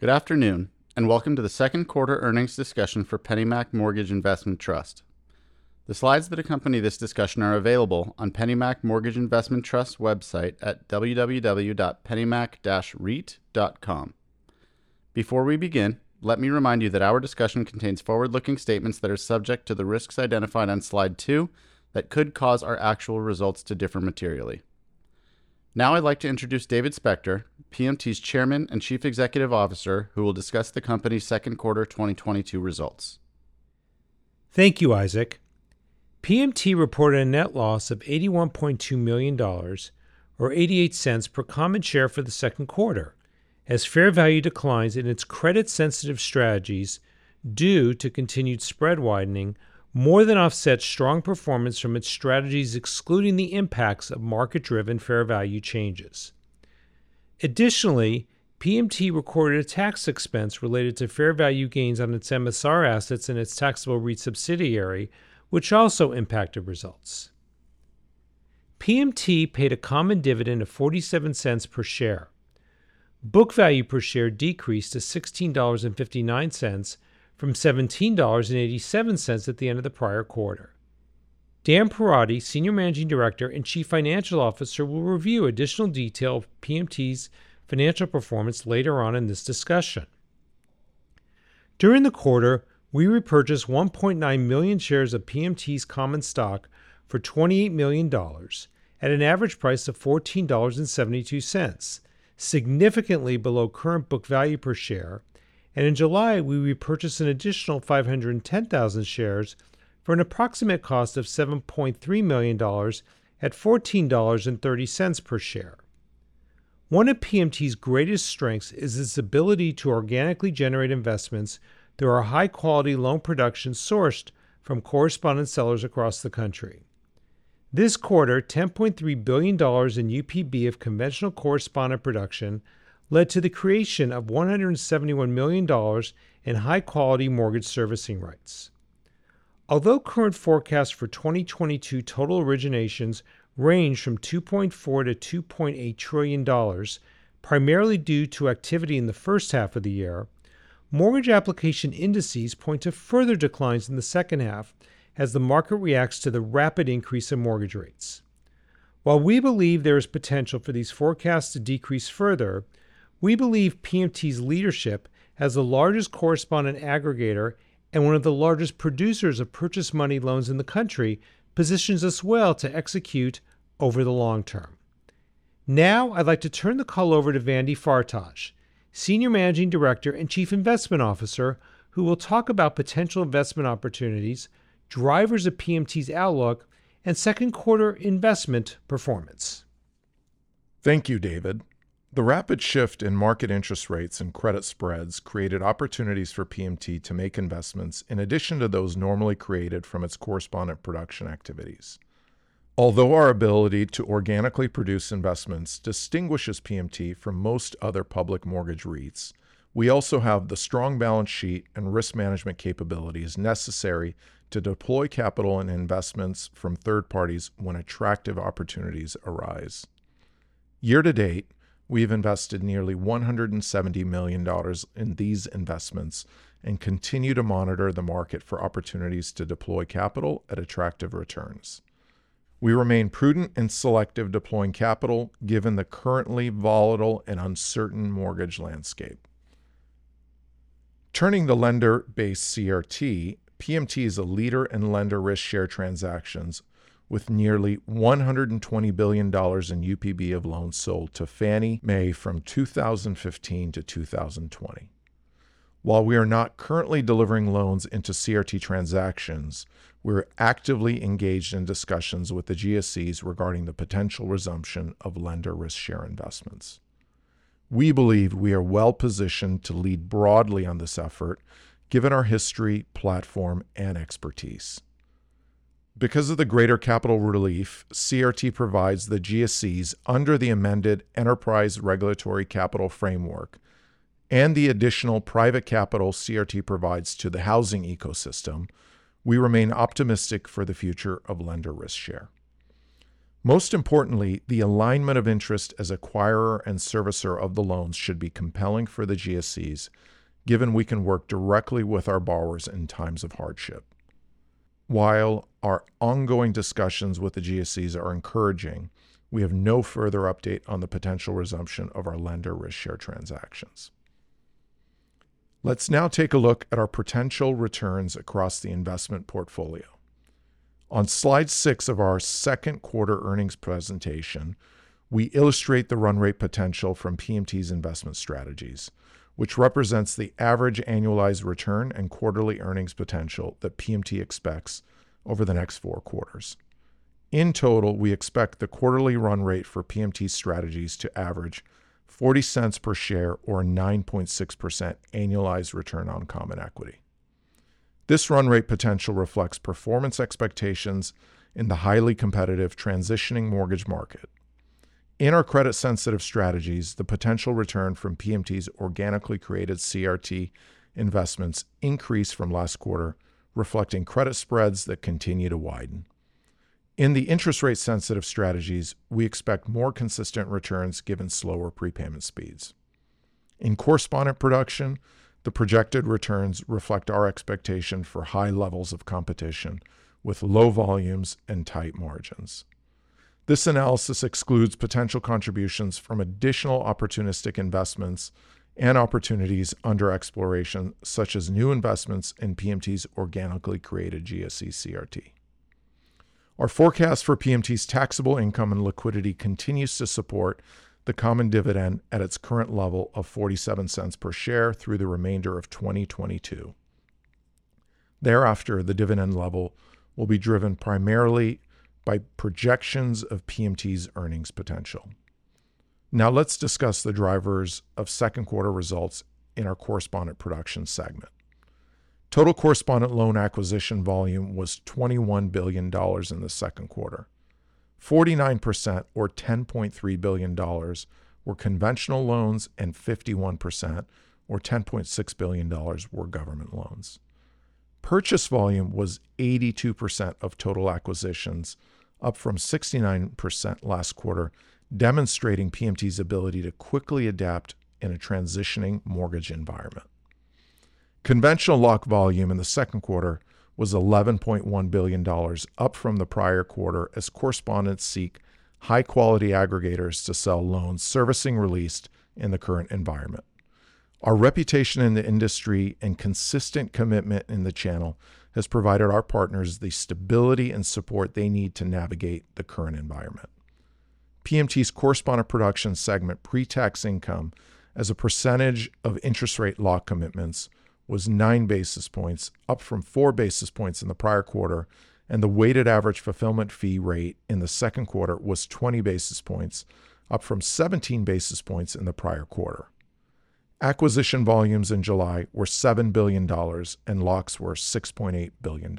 Good afternoon, and welcome to the second quarter earnings discussion for PennyMac Mortgage Investment Trust. The slides that accompany this discussion are available on PennyMac Mortgage Investment Trust's website at www.pennymac-reit.com. Before we begin, let me remind you that our discussion contains forward-looking statements that are subject to the risks identified on slide two that could cause our actual results to differ materially. Now I'd like to introduce David Spector, PMT's Chairman and Chief Executive Officer, who will discuss the company's second quarter 2022 results. Thank you, Isaac. PMT reported a net loss of $81.2 million or $0.88 per common share for the second quarter as fair value declines in its credit-sensitive strategies due to continued spread widening more than offset strong performance from its strategies excluding the impacts of market-driven fair value changes. Additionally, PMT recorded a tax expense related to fair value gains on its MSR assets in its taxable REIT subsidiary, which also impacted results. PMT paid a common dividend of $0.47 per share. Book value per share decreased to $16.59 from $17.87 at the end of the prior quarter. Daniel Perotti, Senior Managing Director and Chief Financial Officer, will review additional detail of PMT's financial performance later on in this discussion. During the quarter, we repurchased 1.9 million shares of PMT's common stock for $28 million at an average price of $14.72, significantly below current book value per share. In July, we repurchased an additional 510,000 shares for an approximate cost of $7.3 million at $14.30 per share. One of PMT's greatest strengths is its ability to organically generate investments through our high-quality loan production sourced from correspondent sellers across the country. This quarter, $10.3 billion in UPB of conventional correspondent production led to the creation of $171 million in high-quality mortgage servicing rights. Although current forecasts for 2022 total originations range from $2.4 trillion-$2.8 trillion, primarily due to activity in the first half of the year, mortgage application indices point to further declines in the second half as the market reacts to the rapid increase in mortgage rates. While we believe there is potential for these forecasts to decrease further, we believe PMT's leadership as the largest correspondent aggregator and one of the largest producers of purchase money loans in the country positions us well to execute over the long term. Now, I'd like to turn the call over to Vandy Fartaj, Senior Managing Director and Chief Investment Officer, who will talk about potential investment opportunities, drivers of PMT's outlook, and second quarter investment performance. Thank you, David. The rapid shift in market interest rates and credit spreads created opportunities for PMT to make investments in addition to those normally created from its correspondent production activities. Although our ability to organically produce investments distinguishes PMT from most other public mortgage REITs, we also have the strong balance sheet and risk management capabilities necessary to deploy capital and investments from third parties when attractive opportunities arise. Year to date, we have invested nearly $170 million in these investments and continue to monitor the market for opportunities to deploy capital at attractive returns. We remain prudent in selective deploying capital given the currently volatile and uncertain mortgage landscape. Turning to lender-based CRT, PMT is a leader in lender risk share transactions with nearly $120 billion in UPB of loans sold to Fannie Mae from 2015 to 2020. While we are not currently delivering loans into CRT transactions, we're actively engaged in discussions with the GSEs regarding the potential resumption of lender risk share investments. We believe we are well-positioned to lead broadly on this effort given our history, platform, and expertise. Because of the greater capital relief CRT provides the GSEs under the amended Enterprise Regulatory Capital Framework and the additional private capital CRT provides to the housing ecosystem, we remain optimistic for the future of lender risk share. Most importantly, the alignment of interest as acquirer and servicer of the loans should be compelling for the GSEs given we can work directly with our borrowers in times of hardship. While our ongoing discussions with the GSEs are encouraging, we have no further update on the potential resumption of our lender risk share transactions. Let's now take a look at our potential returns across the investment portfolio. On slide 6 of our second quarter earnings presentation, we illustrate the run rate potential from PMT's investment strategies, which represents the average annualized return and quarterly earnings potential that PMT expects over the next four quarters. In total, we expect the quarterly run rate for PMT's strategies to average $0.40 per share or 9.6% annualized return on common equity. This run rate potential reflects performance expectations in the highly competitive transitioning mortgage market. In our credit-sensitive strategies, the potential return from PMT's organically created CRT investments increased from last quarter, reflecting credit spreads that continue to widen. In the interest rate sensitive strategies, we expect more consistent returns given slower prepayment speeds. In correspondent production, the projected returns reflect our expectation for high levels of competition with low volumes and tight margins. This analysis excludes potential contributions from additional opportunistic investments and opportunities under exploration, such as new investments in PMT's organically created GSE CRT. Our forecast for PMT's taxable income and liquidity continues to support the common dividend at its current level of $0.47 per share through the remainder of 2022. Thereafter, the dividend level will be driven primarily by projections of PMT's earnings potential. Now let's discuss the drivers of second quarter results in our correspondent production segment. Total correspondent loan acquisition volume was $21 billion in the second quarter. 49% or $10.3 billion were conventional loans and 51% or $10.6 billion were government loans. Purchase volume was 82% of total acquisitions, up from 69% last quarter, demonstrating PMT's ability to quickly adapt in a transitioning mortgage environment. Conventional lock volume in the second quarter was $11.1 billion, up from the prior quarter as correspondents seek high quality aggregators to sell loans servicing released in the current environment. Our reputation in the industry and consistent commitment in the channel has provided our partners the stability and support they need to navigate the current environment. PMT's correspondent production segment pre-tax income as a percentage of interest rate lock commitments was 9 basis points, up from 4 basis points in the prior quarter, and the weighted average fulfillment fee rate in the second quarter was 20 basis points, up from 17 basis points in the prior quarter. Acquisition volumes in July were $7 billion and locks were $6.8 billion.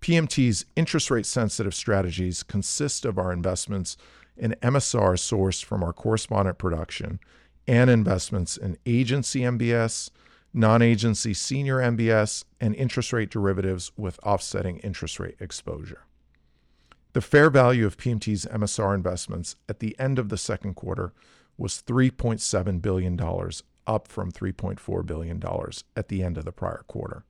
PMT's interest rate sensitive strategies consist of our investments in MSR sourced from our correspondent production and investments in agency MBS, non-agency senior MBS, and interest rate derivatives with offsetting interest rate exposure. The fair value of PMT's MSR investments at the end of the second quarter was $3.7 billion, up from $3.4 billion at the end of the prior quarter.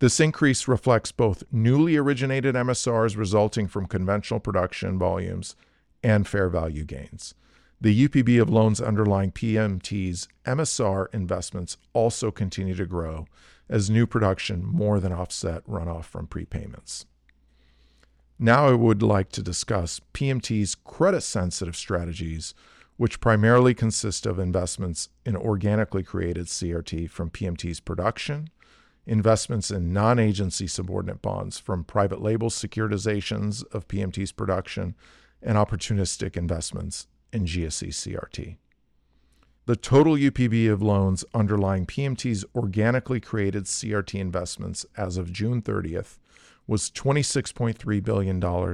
This increase reflects both newly originated MSRs resulting from conventional production volumes and fair value gains. The UPB of loans underlying PMT's MSR investments also continue to grow as new production more than offset runoff from prepayments. Now I would like to discuss PMT's credit sensitive strategies, which primarily consist of investments in organically created CRT from PMT's production, investments in non-agency subordinate bonds from private label securitizations of PMT's production, and opportunistic investments in GSE CRT. The total UPB of loans underlying PMT's organically created CRT investments as of June 30 was $26.3 billion, down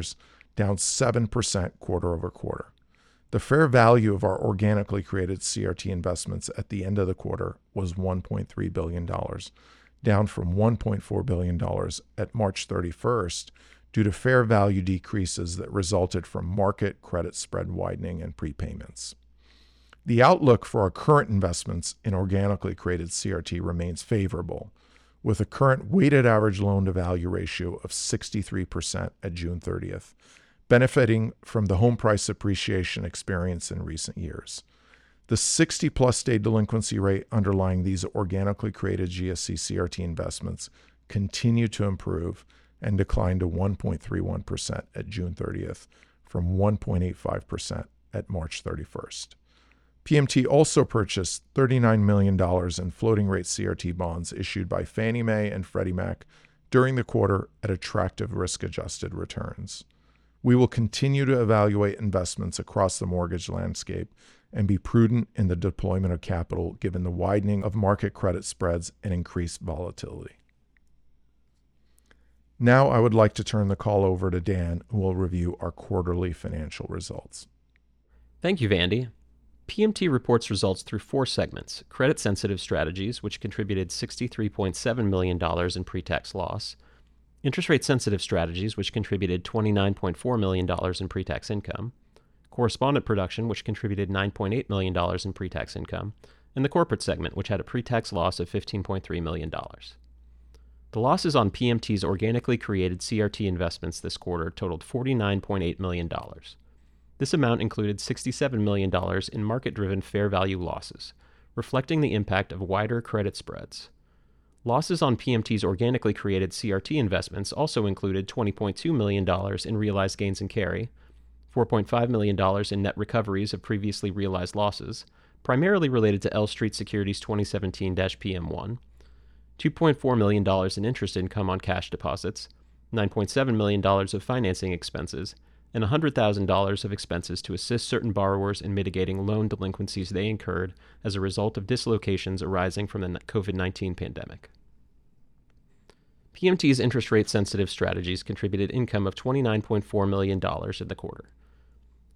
7% quarter-over-quarter. The fair value of our organically created CRT investments at the end of the quarter was $1.3 billion, down from $1.4 billion at March 31 due to fair value decreases that resulted from market credit spread widening and prepayments. The outlook for our current investments in organically created CRT remains favorable, with a current weighted average loan to value ratio of 63% at June 30, benefiting from the home price appreciation experienced in recent years. The 60+ day delinquency rate underlying these organically created GSE CRT investments continue to improve and decline to 1.31% at June 30 from 1.85% at March 31. PMT also purchased $39 million in floating rate CRT bonds issued by Fannie Mae and Freddie Mac during the quarter at attractive risk-adjusted returns. We will continue to evaluate investments across the mortgage landscape and be prudent in the deployment of capital given the widening of market credit spreads and increased volatility. Now I would like to turn the call over to Dan, who will review our quarterly financial results. Thank you, Vandy. PMT reports results through four segments. Credit sensitive strategies, which contributed $63.7 million in pre-tax loss. Interest rate sensitive strategies, which contributed $29.4 million in pre-tax income. Correspondent production, which contributed $9.8 million in pre-tax income. The corporate segment, which had a pre-tax loss of $15.3 million. The losses on PMT's organically created CRT investments this quarter totaled $49.8 million. This amount included $67 million in market-driven fair value losses, reflecting the impact of wider credit spreads. Losses on PMT's organically created CRT investments also included $20.2 million in realized gains and carry, $4.5 million in net recoveries of previously realized losses, primarily related to L Street Securities 2017-PM1, $2.4 million in interest income on cash deposits, $9.7 million of financing expenses, and $100 thousand of expenses to assist certain borrowers in mitigating loan delinquencies they incurred as a result of dislocations arising from the COVID-19 pandemic. PMT's interest rate sensitive strategies contributed income of $29.4 million in the quarter.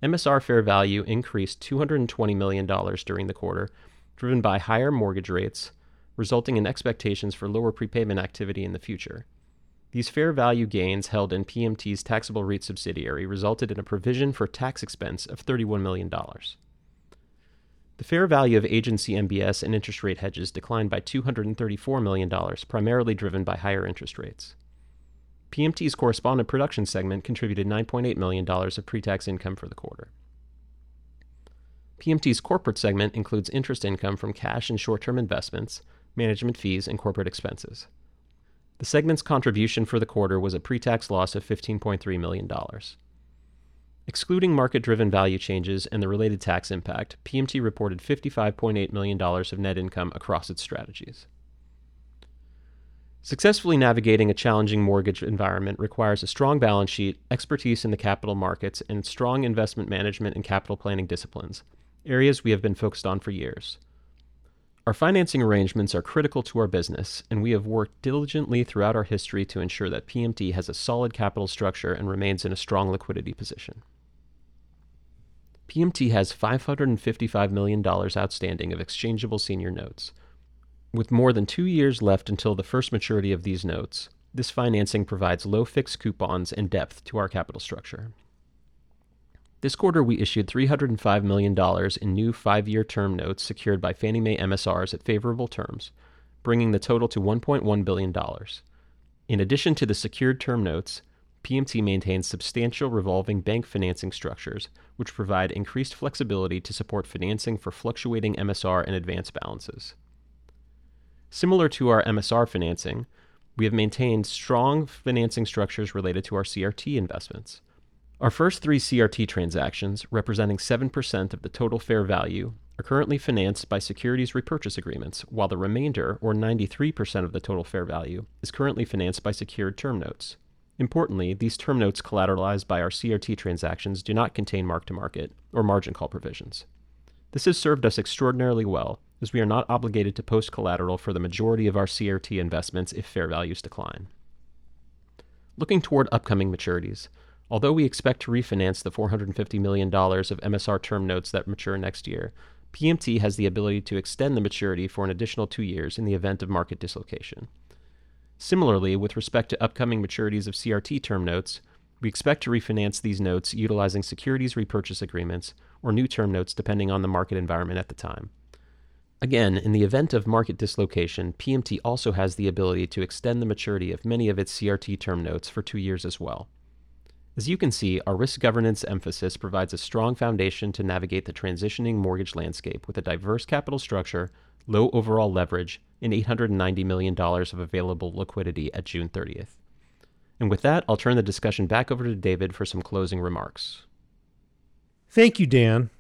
MSR fair value increased $220 million during the quarter, driven by higher mortgage rates, resulting in expectations for lower prepayment activity in the future. These fair value gains held in PMT's taxable REIT subsidiary resulted in a provision for tax expense of $31 million. The fair value of agency MBS and interest rate hedges declined by $234 million, primarily driven by higher interest rates. PMT's correspondent production segment contributed $9.8 million of pre-tax income for the quarter. PMT's corporate segment includes interest income from cash and short-term investments, management fees, and corporate expenses. The segment's contribution for the quarter was a pre-tax loss of $15.3 million. Excluding market-driven value changes and the related tax impact, PMT reported $55.8 million of net income across its strategies. Successfully navigating a challenging mortgage environment requires a strong balance sheet, expertise in the capital markets, and strong investment management and capital planning disciplines, areas we have been focused on for years. Our financing arrangements are critical to our business, and we have worked diligently throughout our history to ensure that PMT has a solid capital structure and remains in a strong liquidity position. PMT has $555 million outstanding of exchangeable senior notes. With more than two years left until the first maturity of these notes, this financing provides low fixed coupons and depth to our capital structure. This quarter, we issued $305 million in new five year term notes secured by Fannie Mae MSRs at favorable terms, bringing the total to $1.1 billion. In addition to the secured term notes, PMT maintains substantial revolving bank financing structures, which provide increased flexibility to support financing for fluctuating MSR and advance balances. Similar to our MSR financing, we have maintained strong financing structures related to our CRT investments. Our first three CRT transactions, representing 7% of the total fair value, are currently financed by securities repurchase agreements, while the remainder, or 93% of the total fair value, is currently financed by secured term notes. Importantly, these term notes collateralized by our CRT transactions do not contain mark-to-market or margin call provisions. This has served us extraordinarily well, as we are not obligated to post collateral for the majority of our CRT investments if fair values decline. Looking toward upcoming maturities, although we expect to refinance the $450 million of MSR term notes that mature next year, PMT has the ability to extend the maturity for an additional two years in the event of market dislocation. Similarly, with respect to upcoming maturities of CRT term notes, we expect to refinance these notes utilizing securities repurchase agreements or new term notes depending on the market environment at the time. Again, in the event of market dislocation, PMT also has the ability to extend the maturity of many of its CRT term notes for two years as well. As you can see, our risk governance emphasis provides a strong foundation to navigate the transitioning mortgage landscape with a diverse capital structure, low overall leverage, and $890 million of available liquidity at June 30. With that, I'll turn the discussion back over to David for some closing remarks. Thank you, Dan.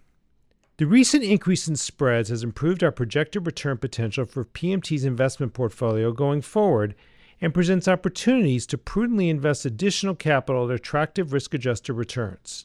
The recent increase in spreads has improved our projected return potential for PMT's investment portfolio going forward and presents opportunities to prudently invest additional capital at attractive risk-adjusted returns.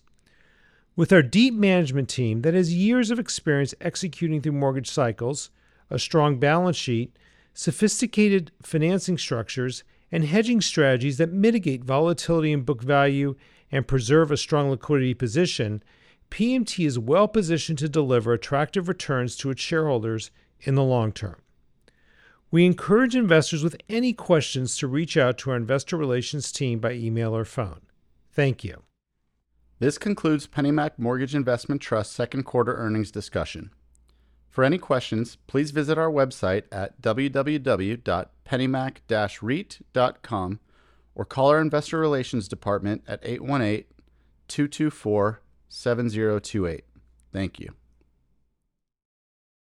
With our deep management team that has years of experience executing through mortgage cycles, a strong balance sheet, sophisticated financing structures, and hedging strategies that mitigate volatility in book value and preserve a strong liquidity position, PMT is well-positioned to deliver attractive returns to its shareholders in the long term. We encourage investors with any questions to reach out to our investor relations team by email or phone. Thank you. This concludes PennyMac Mortgage Investment Trust second quarter earnings discussion. For any questions, please visit our website at www.pennymac-reit.com, or call our investor relations department at 818-224-7028. Thank you.